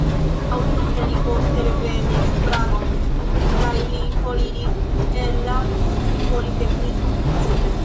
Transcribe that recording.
Aŭtune li poste revenis Pragon kaj li foriris el la politekniko.